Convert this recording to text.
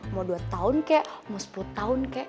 mau dua tahun kek mau sepuluh tahun kek